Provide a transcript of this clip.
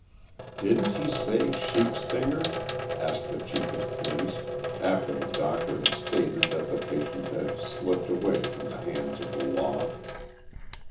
"Didn't he say 'sheep stinger'?" asked the chief of police, after the doctor had stated that the patient had slipped away from the hands of the law.